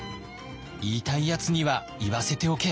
「言いたいやつには言わせておけ」。